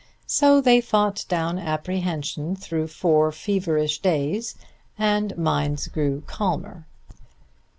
So they fought down apprehension through four feverish days, and minds grew calmer.